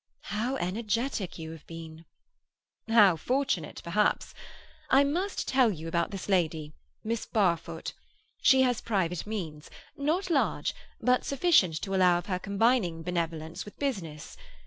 "How energetic you have been!" "How fortunate, perhaps. I must tell you about this lady—Miss Barfoot. She has private means—not large, but sufficient to allow of her combining benevolence with business.